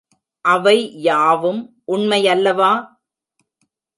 அவை யாவும் உண்மையல்லவா?